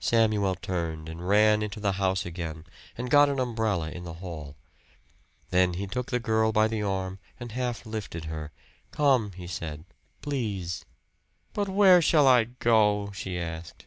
Samuel turned and ran into the house again and got an umbrella in the hall. Then he took the girl by the arm and half lifted her. "Come," he said. "Please." "But where shall I go?" she asked.